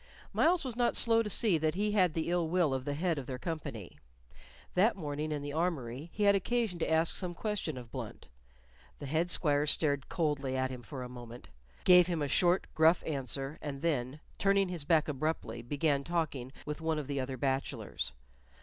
Myles was not slow to see that he had the ill will of the head of their company. That morning in the armory he had occasion to ask some question of Blunt; the head squire stared coldly at him for a moment, gave him a short, gruff answer, and then, turning his back abruptly, began talking with one of the other bachelors.